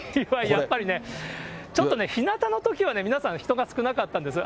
やっぱりね、ちょっとね、ひなたのときはね、皆さん、人が少なかったんです。